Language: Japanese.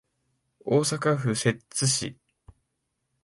大阪府摂津市